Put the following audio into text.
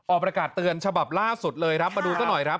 ประกาศเตือนฉบับล่าสุดเลยครับมาดูซะหน่อยครับ